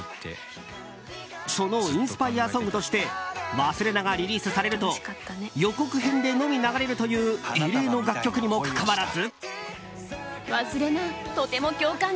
そのインスパイアソングとして「勿忘」がリリースされると予告編のみで流れるという異例の楽曲にもかかわらず。